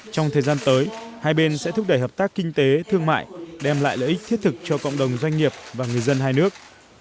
trong thời gian tới hai bên sẽ thúc đẩy hợp tác kinh tế thương mại đem lại lợi ích thiết thực cho cộng đồng doanh nghiệp và người dân hai nước